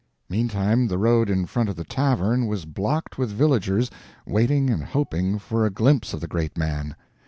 Meantime the road in front of the tavern was blocked with villagers waiting and hoping for a glimpse of the great man.